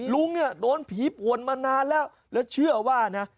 ลุงเนี่ยโดนผีป่วนมานานแล้วแล้วเชื่อว่านะ